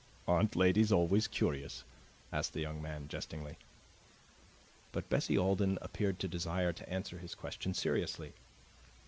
"Aren't ladies always curious?" asked the young man jestingly. But Bessie Alden appeared to desire to answer his question seriously.